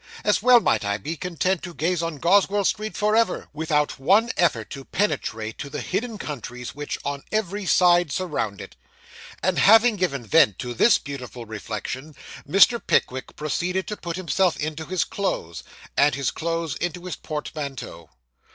As well might I be content to gaze on Goswell Street for ever, without one effort to penetrate to the hidden countries which on every side surround it.' And having given vent to this beautiful reflection, Mr. Pickwick proceeded to put himself into his clothes, and his clothes into his portmanteau.